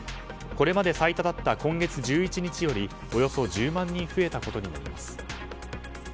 これまで最多だった今月１１日よりおよそ１０万人増えたことになります。